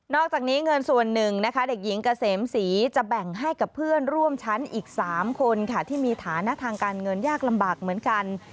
อกจากนี้เงินส่วนหนึ่งนะคะเด็กหญิงเกษมศรีจะแบ่งให้กับเพื่อนร่วมชั้นอีก๓คนค่ะที่มีฐานะทางการเงินยากลำบากเหมือนกัน